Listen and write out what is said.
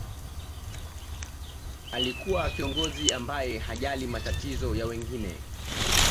alikuwa kiongozi ambaye hajali matatizo ya wengine